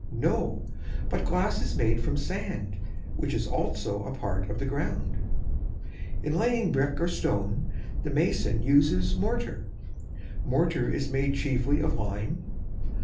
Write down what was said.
No; but glass is made from sand; which is also a part of the ground. In laying brick or stone, the mason uses mortar. Mortar is made chiefly of lime.